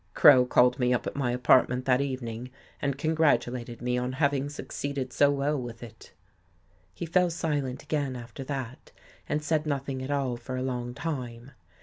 Crow called me up at my apartment that evening and congratulated me on having succeeded so well with it." He fell silent again after that and said noth ing at all for a long time.